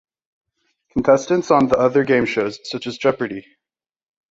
Contestants on other game shows, such as Jeopardy!